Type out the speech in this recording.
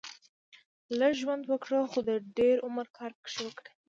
لږ ژوند وګړهٔ خو د دېر عمر کار پکښي وکړهٔ